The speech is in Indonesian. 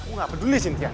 aku gak peduli cynthia